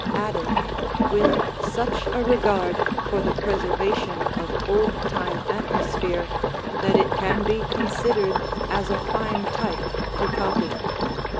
Adden with such a regard for the preservation of old time atmosphere that it can be considered as a fine type to copy.